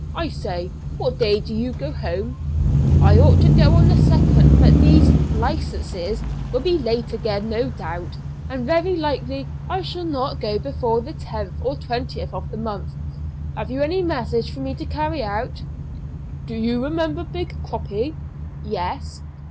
I say, what day do you go home?" "I ought to go on the 2nd, but these licenses will be late again, no doubt, and very likely I shall not go before the 10th or 20th of the month. Have you any message for me to carry out?" "Do you remember 'Big Croppy?'" "Yes."